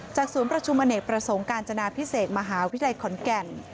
ศูนย์ประชุมอเนกประสงค์กาญจนาพิเศษมหาวิทยาลัยขอนแก่น